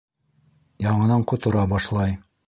Яңынан ҡотора башлай.